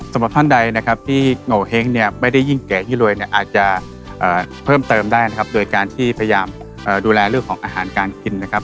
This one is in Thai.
สำหรับท่านใดที่โงเห้งไม่ได้ยิ่งแก่ยิ่งรวยอาจจะเพิ่มเติมได้โดยการที่พยายามดูแลเรื่องของอาหารการกิน